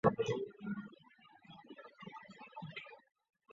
这项政策后来继续由联合邦政府推动。